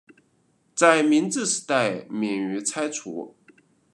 在明治时代免于拆除。